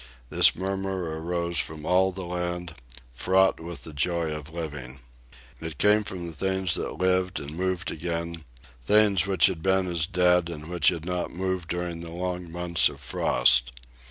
This murmur arose from all the land, fraught with the joy of living. It came from the things that lived and moved again, things which had been as dead and which had not moved during the long months of frost.